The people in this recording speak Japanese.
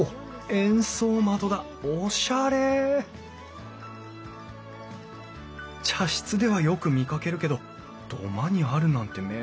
円相窓だおしゃれ茶室ではよく見かけるけど土間にあるなんて珍しい。